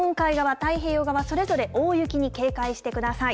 太平洋側それぞれ大雪に警戒してください。